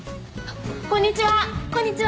こんにちは！